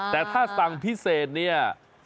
แต่ถ้าสั่งพิเศษเนี่ย